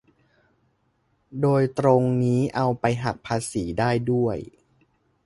โดยตรงนี้เอาไปหักภาษีได้ด้วย